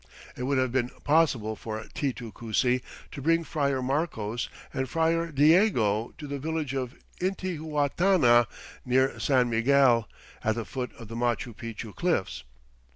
It would have been possible for Titu Cusi to bring Friar Marcos and Friar Diego to the village of Intihuatana near San Miguel, at the foot of the Machu Picchu cliffs.